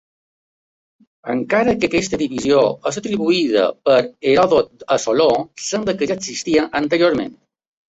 Encara que aquesta divisió és atribuïda per Heròdot a Soló sembla que ja existia anteriorment.